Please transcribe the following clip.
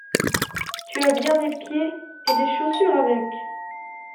Tu as bien des pieds, et des chaussures avec.